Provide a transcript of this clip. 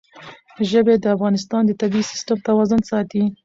ژبې د افغانستان د طبعي سیسټم توازن ساتي.